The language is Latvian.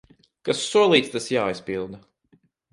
Kas solīts, tas jāizpilda.